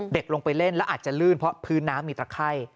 เด็กลงไปเล่นแล้วอาจจะลื่นเพราะพื้นน้ำมีตะไข้